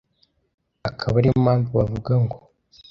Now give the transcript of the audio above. akaba ariyo mpamvu bavuga ngo